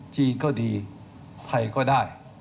จีนก็ดีไทยก็ได้